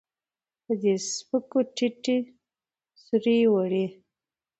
د دې سپکو ټيټې سورې وړي